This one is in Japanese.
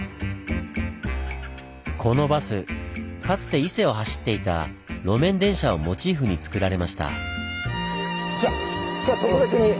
このバスかつて伊勢を走っていた路面電車をモチーフにつくられました。